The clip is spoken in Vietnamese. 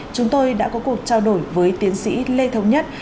chúng tôi đã có cuộc trao đổi với tiến sĩ lê thống nhất